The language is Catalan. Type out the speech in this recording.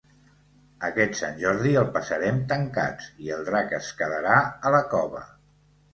Aquest Sant Jordi el passarem tancats i el drac es quedarà a la cova.